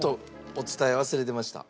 お伝え忘れてました。